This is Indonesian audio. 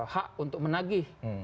hak untuk menagih